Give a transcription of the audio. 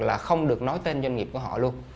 là không được nói tên doanh nghiệp của họ luôn